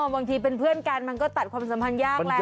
บางทีเป็นเพื่อนกันมันก็ตัดความสัมพันธ์ยากแหละ